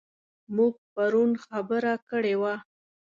موږ پرون خبره کړې وه.